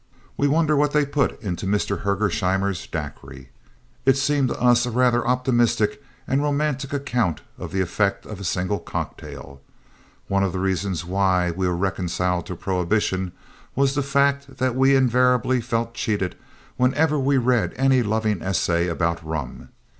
We wonder what they put into Mr. Hergesheimer's Daiquiri. It seems to us a rather optimistic and romantic account of the effect of a single cocktail. One of the reasons why we were reconciled to prohibition was the fact that we invariably felt cheated whenever we read any loving essay about rum.